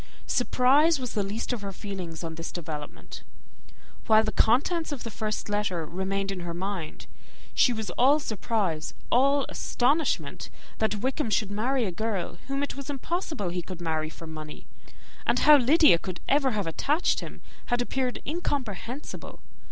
Surprise was the least of all her feelings on this development. While the contents of the first letter remained on her mind, she was all surprise, all astonishment, that Wickham should marry a girl whom it was impossible he could marry for money; and how Lydia could ever have attached him had appeared incomprehensible.